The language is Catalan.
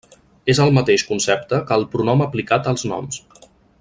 És el mateix concepte que el pronom aplicat als noms.